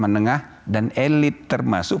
menengah dan elit termasuk